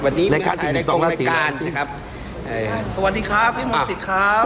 วันนี้มาถ่ายในกองรายการนะครับสวัสดีครับพี่มนต์สิทธิ์ครับ